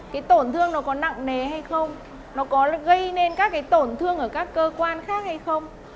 cái tổn thương nó có nặng nề hay không nó có gây nên các cái tổn thương ở các cơ quan khác hay không